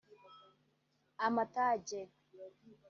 Amatage